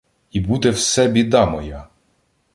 І буде все біда моя.